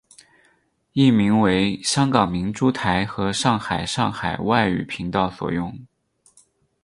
译名为香港明珠台和上海上海外语频道所用。